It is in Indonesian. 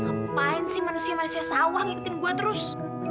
ngapain sih manusia manusia sawah ngikutin gue terus